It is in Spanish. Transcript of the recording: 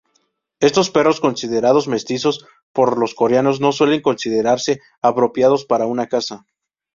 Estos perros, considerados mestizos por los coreanos no suelen considerarse apropiados para una casa.